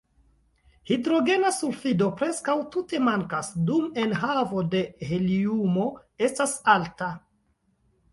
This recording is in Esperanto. Hidrogena sulfido preskaŭ tute mankas, dum enhavo de heliumo estas alta.